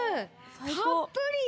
たっぷり！